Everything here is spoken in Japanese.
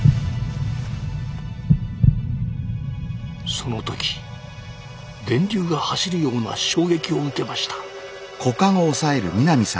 その時電流が走るような衝撃を受けました。